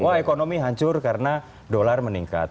wah ekonomi hancur karena dolar meningkat